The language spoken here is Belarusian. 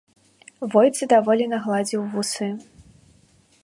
Войт задаволена гладзіў вусы.